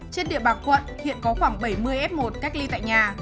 trên địa bàn quận hiện có khoảng bảy mươi f một cách ly tại nhà